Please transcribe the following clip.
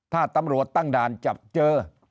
ถ้าตำรวจตั้งด่านจับเจอ